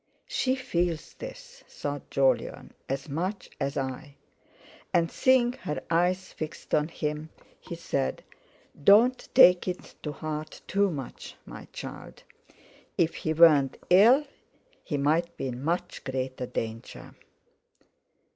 "She feels this," thought Jolyon, "as much as I" and, seeing her eyes fixed on him, he said: "Don't take it to heart too much, my child. If he weren't ill, he might be in much greater danger."